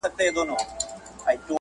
خو اوس ئې هغوی ته افغانیت